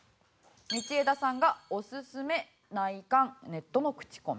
道枝さんがおすすめ内観ネットの口コミ。